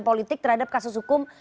politik terhadap kasus hukum